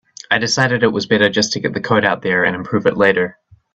I decided it was better to just get the code out there and improve it later.